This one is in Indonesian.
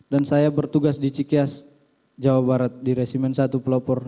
dan saya bertugas di cikyas jawa barat di resimen satu pelopor